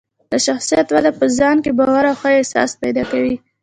د شخصیت وده په ځان کې باور او ښه احساس پیدا کوي.